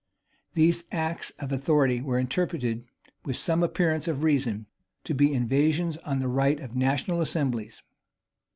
These acts of authority were interpreted, with some appearance of reason, to be invasions on the right of national assemblies.